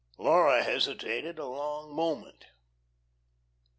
Laura hesitated a long moment.